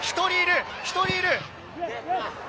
１人いる！